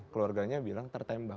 keluarganya bilang tertembak